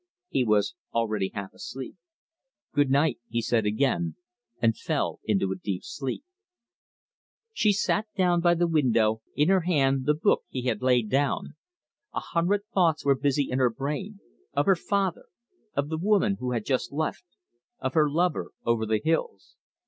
He was already half asleep. "Good night!" he said again, and fell into a deep sleep. She sat down by the window, in her hand the book he had laid down. A hundred thoughts were busy in her brain of her father; of the woman who had just left; of her lover over the hills.